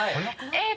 えっ？